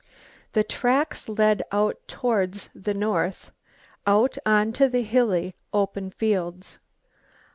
The tracks led out towards the north, out on to the hilly, open fields.